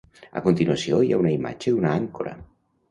A continuació hi ha una imatge d'una àncora.